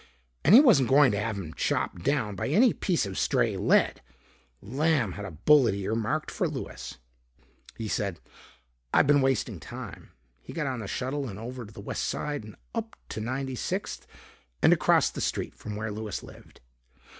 And he wasn't going to have him chopped down by any piece of stray lead. Lamb had a bullet ear marked for Louis. He said, "I've been wasting time." He got on the shuttle and over to the West side and up to 96th and across the street from where Louis lived.